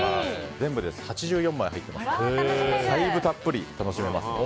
全部で８４枚入ってますからだいぶたっぷり楽しめます。